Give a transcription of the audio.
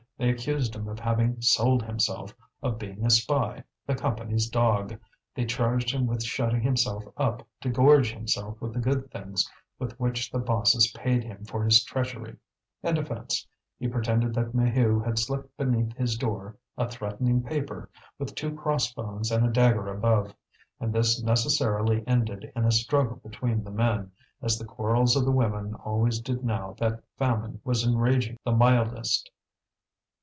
They accused him of having sold himself, of being a spy, the Company's dog; they charged him with shutting himself up, to gorge himself with the good things with which the bosses paid him for his treachery. In defence, he pretended that Maheu had slipped beneath his door a threatening paper with two cross bones and a dagger above. And this necessarily ended in a struggle between the men, as the quarrels of the women always did now that famine was enraging the mildest.